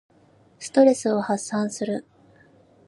ストレスを発散する。